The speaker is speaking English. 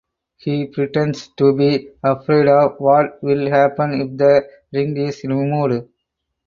He pretends to be afraid of what will happen if the ring is removed.